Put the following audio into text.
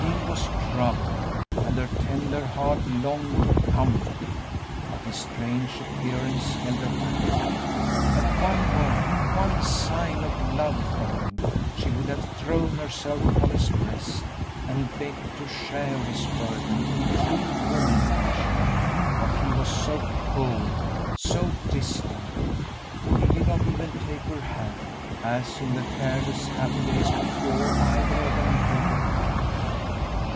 He was troubled, and her tender heart longed to comfort him, but his strange appearance held her back. At one word, one sign of love from him, she would have thrown herself upon his breast and begged to share his burden in true woman fashion; but he was so cold, so distant; he did not even take her hand as in the careless, happy days before either of them thought of love.